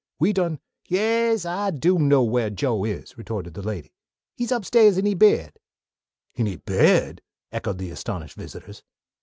"We done " "Yas, Ah do know whar Joe is," retorted the lady. "He's upstairs in he bed." "In he bed?" echoed the astonished visitors.